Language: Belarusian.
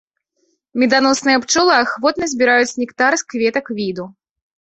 Меданосныя пчолы ахвотна збіраюць нектар з кветак віду.